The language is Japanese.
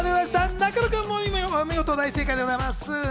中野君、お見事、大正解でございます。